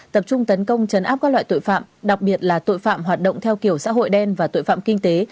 tập trung tấn công chấn áp các loại tội phạm đặc biệt là tội phạm hoạt động theo kiểu xã hội đen và tội phạm kinh tế